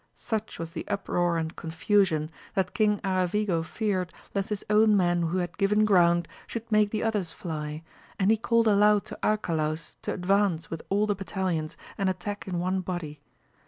Such was the uproar and confusion, that King Aravigo feared, lest his own men who had given ground should make the others fly, and he called aloud to Arcalaus to advance with all the battalions, and attack in one body.